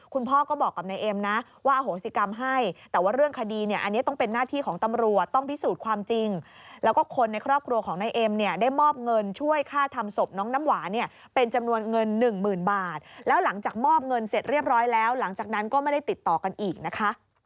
คุณพ่อก็บอกกับนายเอ็มนะว่าอโหสิกรรมให้แต่ว่าเรื่องคดีเนี่ยอันนี้ต้องเป็นหน้าที่ของตำรวจต้องพิสูจน์ความจริงแล้วก็คนในครอบครัวของนายเอ็มเนี่ยได้มอบเงินช่วยค่าทำศพน้องน้ำหวานเนี่ยเป็นจำนวนเงินหนึ่งหมื่นบาทแล้วหลังจากมอบเงินเสร็จเรียบร้อยแล้วหลังจากนั้นก็ไม่ได้ติดต่อกันอีกนะคะ